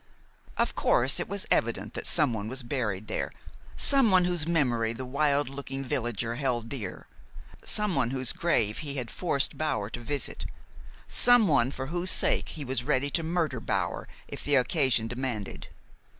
Of course, it was evident that someone was buried there, someone whose memory the wild looking villager held dear, someone whose grave he had forced Bower to visit, someone for whose sake he was ready to murder Bower if the occasion demanded.